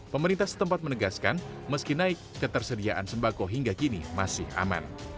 pemerintah setempat menegaskan meski naik ketersediaan sembako hingga kini masih aman